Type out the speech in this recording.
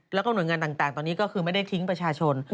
แล้วก็หน่วยงานต่างตอนนี้ก็คือไม่ได้ทิ้งประชาชน